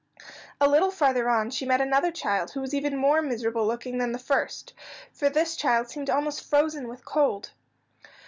A little farther on, she met another child who was even more miserable looking than the first, for this child seemed almost frozen with cold.